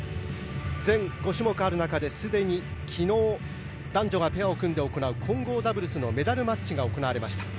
全５種目ある中ですでに昨日男女がペアを組んで行われる混合ダブルスのメダルマッチが行われました。